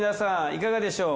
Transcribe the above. いかがでしょう？